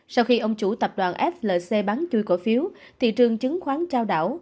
sau khi ông chủ tập đoàn flc bán chui cổ phiếu thị trường chứng khoán trao đảo